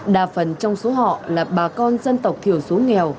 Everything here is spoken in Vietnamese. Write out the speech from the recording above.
đa phần trong số họ là bà con dân tộc thiểu số nghèo